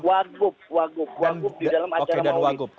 wagu wagu wagu di dalam acara maudit